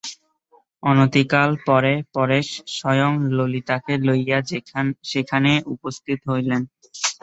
অনতিকাল পরে পরেশ স্বয়ং ললিতাকে লইয়া সেখানে উপস্থিত হইলেন।